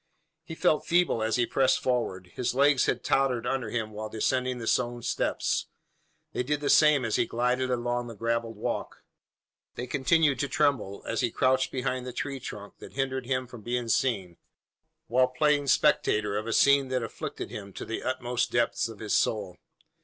He felt feeble as he pressed forward. His legs had tottered under him while descending the stone steps. They did the same as he glided along the gravelled walk. They continued to tremble as he crouched behind the tree trunk that hindered him from being seen while playing spectator of a scene that afflicted him to the utmost depths of his soul.